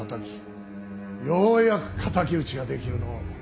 ようやく敵討ちができるのう。